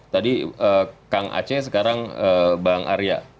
tadi kang aceh sekarang bang arya